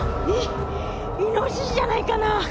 イイノシシじゃないかな。